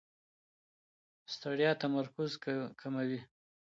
ستړیا تمرکز کموي.